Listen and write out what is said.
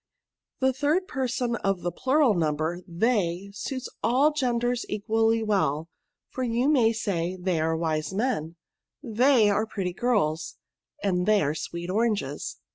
The third person of the plural number, they, suits all the genders equally well ; for you may say, they are wise men ; they are pretty girls ; and they are sweet oranges."